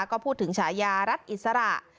ก็พูดถึงฉายารัฐอิสระ